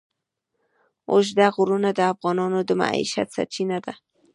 اوږده غرونه د افغانانو د معیشت سرچینه ده.